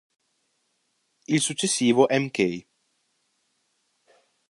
Il successivo Mk.